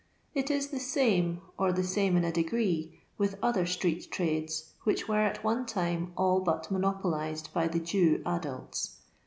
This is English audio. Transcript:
It is the same, or the same in a degree, with other streetrtrades^ which were at one time all but monopolised by the Jew adults.